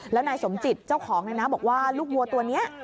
แล้วนายสมจิตเจ้าของเนี่ยนะบอกว่าลูกวัวตัวนี้